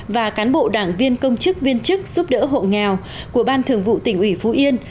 và cán bộ đảng viên công chức viên chức giúp đỡ hộ nghèo của ban thường vụ tỉnh ủy phú yên